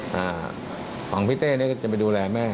หวังพี่เต๊ก็จะไปดูแลแม่